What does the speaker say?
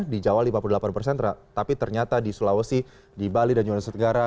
di jawa lima puluh delapan persen tapi ternyata di sulawesi di bali dan juga nusa tenggara